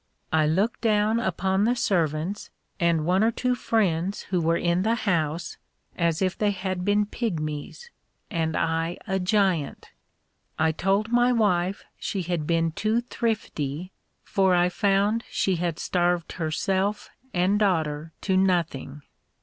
I looked down upon the servants, and one or two friends who were in the house, as if they had been pygmies, and I a giant. I told my wife she had been too thrifty, for I found she had starved herself and daughter to nothing.